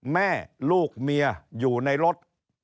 แม่ลูกเมียอยู่ในรถ